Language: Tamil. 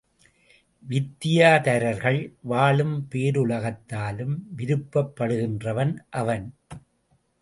வித்தியாதரர்கள் வாழும் பேருலகத்தாலும் விரும்பப்படுகின்றவன் அவன்.